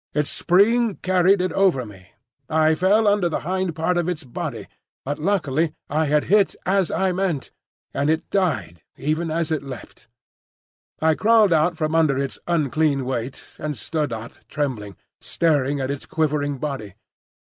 Its spring carried it over me. I fell under the hind part of its body; but luckily I had hit as I meant, and it had died even as it leapt. I crawled out from under its unclean weight and stood up trembling, staring at its quivering body.